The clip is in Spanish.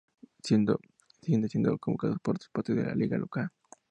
Siguió siendo convocado a otros partidos de la liga local.